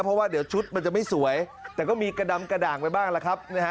เพราะว่าเดี๋ยวชุดมันจะไม่สวยแต่ก็มีกระดำกระด่างไปบ้างล่ะครับนะฮะ